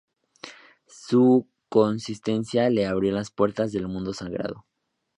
Su consistencia le abrió las puertas del mundo sagrado.